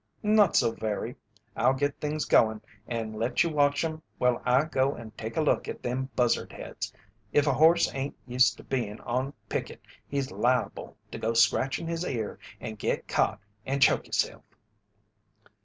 "Not so very. I'll git things goin' and let you watch 'em while I go and take a look at them buzzard heads. If a horse ain't used to bein' on picket he's liable to go scratchin' his ear and git caught and choke hisself."